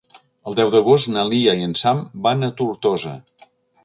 El deu d'agost na Lia i en Sam van a Tortosa.